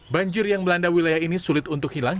banjir yang melanda wilayah ini sulit untuk hilang